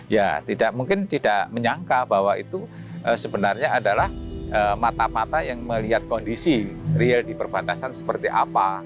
ya tidak mungkin tidak menyangka bahwa itu sebenarnya adalah mata mata yang melihat kondisi real di perbatasan seperti apa